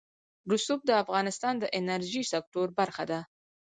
رسوب د افغانستان د انرژۍ سکتور برخه ده.